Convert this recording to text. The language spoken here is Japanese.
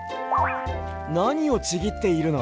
なにをちぎっているの？